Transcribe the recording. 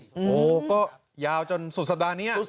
โอ้โหก็ยาวจนสุดสัปดาห์นี้